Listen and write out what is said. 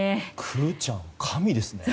くぅちゃん、神ですね。